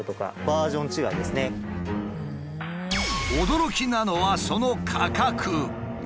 驚きなのはその価格。